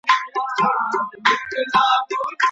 قهوه څښل خوب ته څه زیان رسوي؟